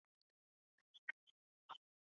艾马希亚体育会。